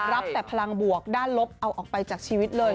รับแต่พลังบวกด้านลบเอาออกไปจากชีวิตเลย